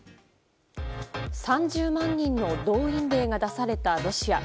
３０万人の動員令が出されたロシア。